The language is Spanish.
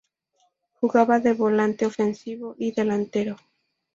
Jugaba de volante ofensivo y delantero.